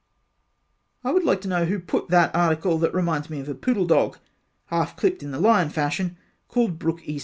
I would like to know who put that article that reminds me of a poodle dog half clipped in the lion fashion, called Brooke E.